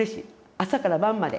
朝から晩まで。